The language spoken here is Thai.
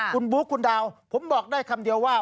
คุณบุ๊คคุณดาวผมบอกได้คำเดียวว่า